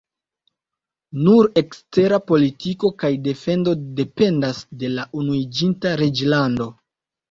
Nur ekstera politiko kaj defendo dependas de la Unuiĝinta Reĝlando.